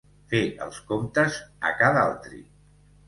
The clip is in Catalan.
Fer els comptes a ca d'altri.